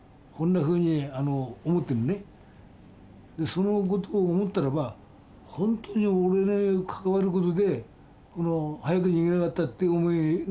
そのことを思ったらば本当に俺の関わることで早く逃げなかったっていう思いがあるから。